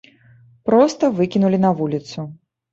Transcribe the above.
Проста выкінулі на вуліцу.